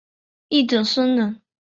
一者生忍。